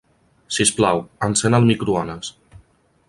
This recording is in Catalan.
Si us plau, encén el microones.